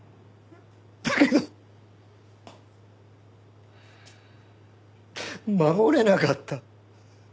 だけど守れなかった。